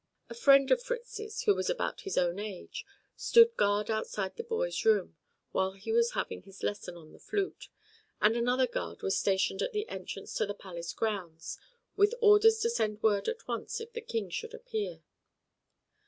A friend of Fritz's, who was about his own age, stood guard outside the boy's room, while he was having his lessons on the flute, and another guard was stationed at the entrance to the palace grounds with orders to send word at once if the King should appear.